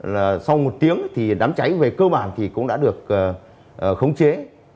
là sau một tiếng thì đám cháy về cơ bản thì cũng đã được khống chế